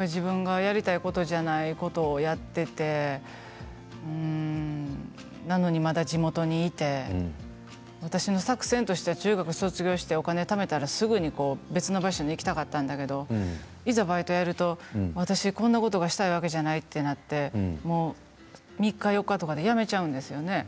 自分がやりたいことじゃないことをやっていてなのに、まだ地元にいて私の作戦としては中学を卒業してお金をためたらすぐに別の場所に行きたかったんだけれどいざバイトをやると私こんなことがしたいわけじゃないとなって３日４日とかで辞めちゃうんですよね。